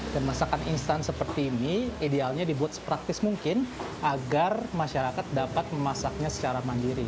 dan masakan instan seperti mie idealnya dibuat sepraktis mungkin agar masyarakat dapat memasaknya secara mandiri